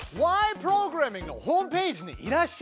プログラミング」のホームページにいらっしゃい！